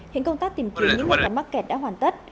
hình công tác tìm kiếm và mắc kẹt đã hoàn tất